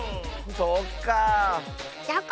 そっかあ。